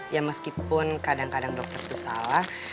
ya meskipun kadang kadang dokter itu salah